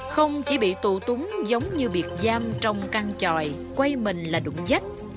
không chỉ bị tụ túng giống như biệt giam trong căn tròi quay mình là đụng dách